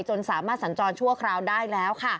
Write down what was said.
สามารถสัญจรชั่วคราวได้แล้วค่ะ